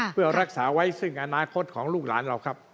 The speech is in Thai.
เพื่อรักษาไว้ซึ่งอนาคตของลูกหลานเราครับ